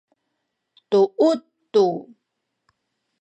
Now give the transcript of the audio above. duut tu